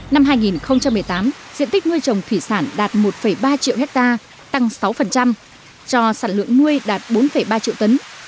năm hai nghìn một mươi tám diện tích nuôi trồng thủy sản đạt một ba triệu hectare tăng sáu cho sản lượng nuôi đạt bốn ba triệu tấn